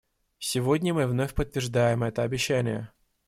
Сегодня мы вновь подтверждаем это обещание.